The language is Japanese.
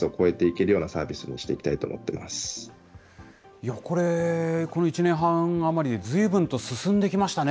いや、これ、この１年半余りでずいぶんと進んできましたね。